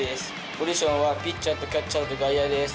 ポジションはピッチャーとキャッチャーと外野です。